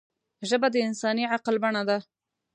ژبه د انساني عقل بڼه ده